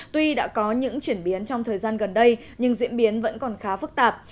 tuy đã có những chuyển biến trong thời gian gần đây nhưng diễn biến vẫn còn khá phức tạp